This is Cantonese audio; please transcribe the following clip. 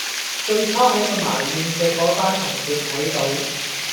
最初喺度埋怨嘅嗰班同伴睇到